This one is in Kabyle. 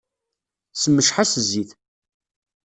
Ssemceḥ-as zzit.